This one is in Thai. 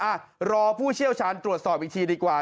อ่ะรอผู้เชี่ยวชาญตรวจสอบอีกทีดีกว่า